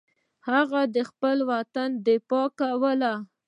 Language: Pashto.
هغه د خپل وطن دفاع کوله.